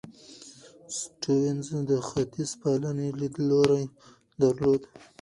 سټيونز د ختیځپالنې لیدلوری درلود.